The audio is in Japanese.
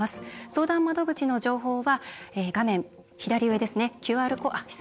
相談窓口の情報は画面左上ですね。